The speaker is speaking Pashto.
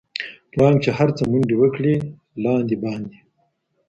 پړانګ چي هر څه منډي وکړې لاندي باندي